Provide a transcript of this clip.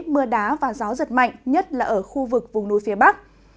mưa đá và gió giật mạnh nhất là ở khu vực vùng núi phía bắc